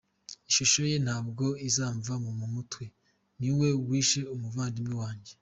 Ishusho ye ntabwo izamva mu mutwe, ni we wishe umuvandimwe wanjye.